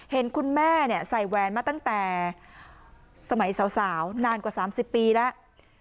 เห็นคุณแม่ใส่แหวนมาตั้งแต่สมัยสาวนานกว่า๓๐ปีแล้ว